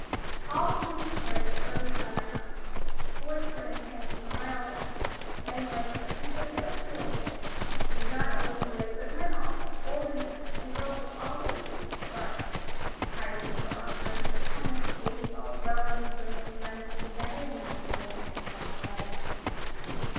All through the spring and early summer months, boys were in training for miles around, getting ready for Intervale's Field Day. And not only boys, but men also, old and young, and girls of all ages into the bargain. Prizes were offered for tennis, baseball, rowing, swimming, running, and every imaginable type of athletic feat.